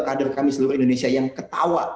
kader kami seluruh indonesia yang ketawa